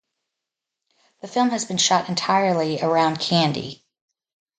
The film has been shot entirely around Kandy.